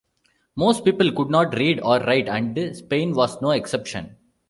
Most people could not read or write, and Spain was no exception.